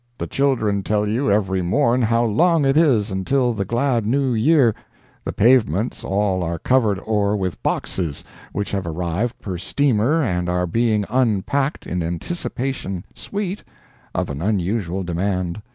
The children tell you every morn How long it is until the glad New Year. The pavements all are covered o'er With boxes, which have arrived Per steamer and are being unpacked In anticipation sweet, of an unusual demand.